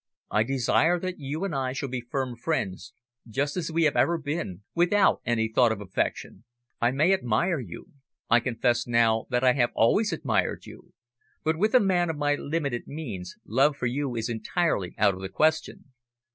I desire that you and I shall be firm friends, just as we have ever been, without any thought of affection. I may admire you I confess, now, that I have always admired you but with a man of my limited means love for you is entirely out of the question.